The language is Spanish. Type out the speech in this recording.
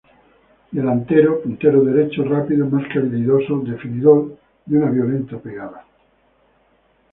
Delantero, puntero derecho rápido más que habilidoso, definidor de una violenta pegada.